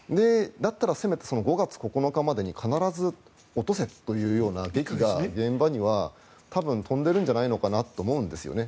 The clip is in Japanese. だったらせめて５月９日までに必ず落とせというような檄が現場には多分飛んでるんじゃないかと思うんです。